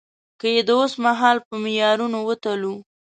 که يې د اوسمهال په معیارونو وتلو.